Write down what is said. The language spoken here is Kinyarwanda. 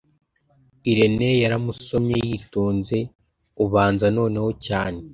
Irene yaramusomye, yitonze ubanza noneho cyane